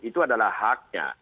itu adalah haknya